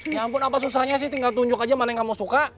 nyampun apa susahnya sih tinggal tunjuk aja mana yang kamu suka